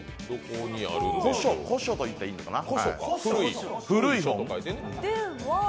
古書といったらいいのかな。